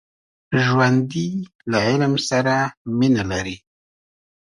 ژوندي له علم سره مینه لري